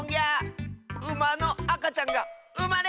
ウマのあかちゃんが「うま」れた！